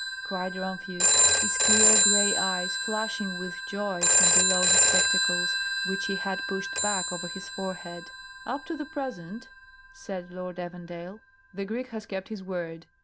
cried Rumphius, his clear gray eyes flashing with joy from below his spectacles, which he had pushed back over his forehead. "Up to the present," said Lord Evandale, "the Greek has kept his word.